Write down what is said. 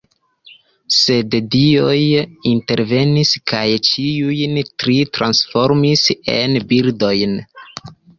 Sed dioj intervenis kaj ĉiujn tri transformis en birdojn.